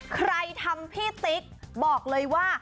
ใครทำพี่ติ๊กบอกเลยว่า